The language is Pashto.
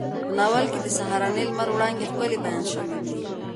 په ناول کې د سهارني لمر وړانګې ښکلې بیان شوې دي.